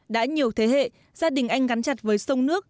đã nhiều thế hệ gia đình anh gắn chặt với sông nước